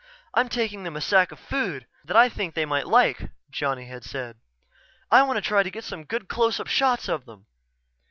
"I'm taking them a sack of food that I think they might like," Johnny had said. "I want to try to get some good close up shots of them."